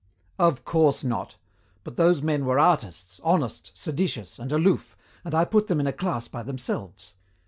"Of course not. But those men were artists, honest, seditious, and aloof, and I put them in a class by themselves.